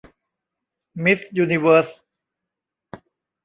มิสยูนิเวิร์ส